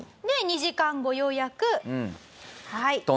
で２時間後ようやくはい。